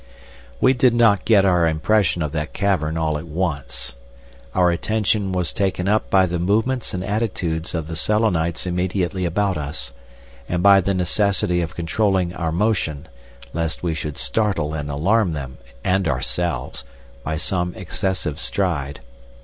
We did not get our impression of that cavern all at once. Our attention was taken up by the movements and attitudes of the Selenites immediately about us, and by the necessity of controlling our motion, lest we should startle and alarm them and ourselves by some excessive stride.